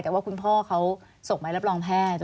แต่ว่าคุณพ่อเขาส่งไปรับรองแพทย์